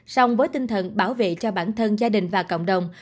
song với tinh thần bảo vệ cho bản thân gia đình và cộng đồng